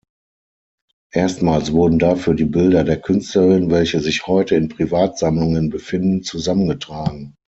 Erstmals wurden dafür die Bilder der Künstlerin, welche sich heute in Privatsammlungen befinden, zusammengetragen.